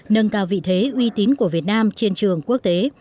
nâng cao vị thế uy tín của việt nam trên trường quốc tế